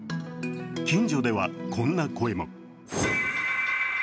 近所では、こんな声も。